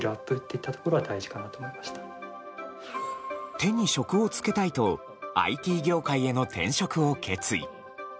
手に職をつけたいとＩＴ業界への転職を決意。